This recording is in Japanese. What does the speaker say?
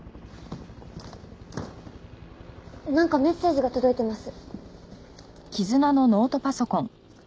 なんかメッセージが届いてます。